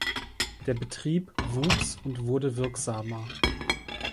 Der Betrieb wuchs und wurde wirksamer.